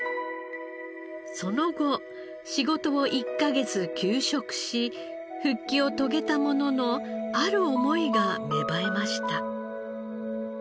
その後仕事を１カ月休職し復帰を遂げたもののある思いが芽生えました。